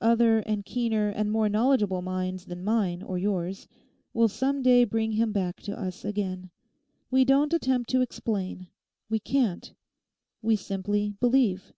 Other and keener and more knowledgeable minds than mine or yours will some day bring him back to us again. We don't attempt to explain; we can't. We simply believe.